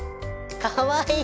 かわいい！